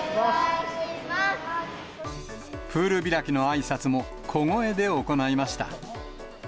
プール開きのあいさつも、小声で行いました。